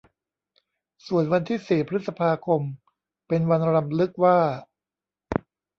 ส่วนวันที่สี่พฤษภาคม เป็นวันรำลึกว่า